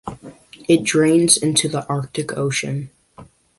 It drains into the Arctic Ocean.